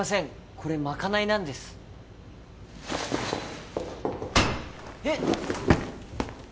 これまかないなんですえっ？